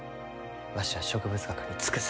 わしは植物学に尽くす。